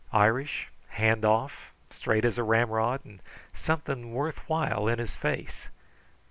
"Irish, hand off, straight as a ramrod, and something worth while in his face.